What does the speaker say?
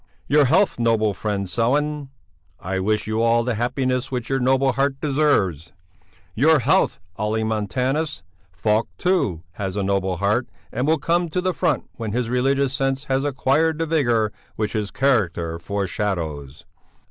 Your health, noble friend Sellén! I wish you all the happiness which your noble heart deserves! Your health, Olle Montanus! Falk, too, has a noble heart, and will come to the front when his religious sense has acquired the vigour which his character foreshadows.